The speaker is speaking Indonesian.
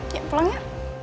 ya pulang ya